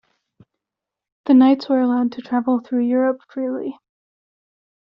The Knights were allowed to travel through Europe freely.